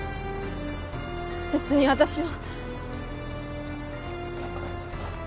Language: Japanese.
別に私は。